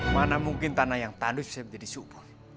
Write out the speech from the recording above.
mana mungkin tanah yang tandus bisa menjadi subur